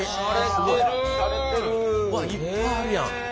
うわいっぱいあるやん。